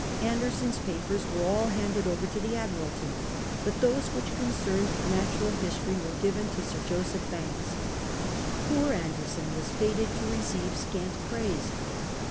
Anderson's papers were all handed over to the Admiralty, but those which concerned natural history were given to Sir Joseph Banks. Poor Anderson was fated to receive scant praise.